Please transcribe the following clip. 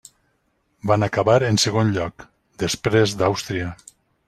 Van acabar en segon lloc, després d'Àustria.